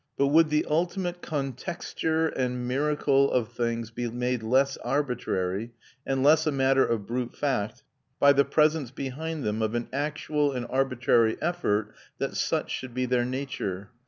But would the ultimate contexture and miracle of things be made less arbitrary, and less a matter of brute fact, by the presence behind them of an actual and arbitrary effort that such should be their nature?